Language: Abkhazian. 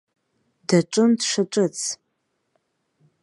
Даҿын дшаҿыц.